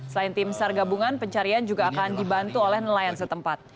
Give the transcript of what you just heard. selain tim sar gabungan pencarian juga akan dibantu oleh nelayan setempat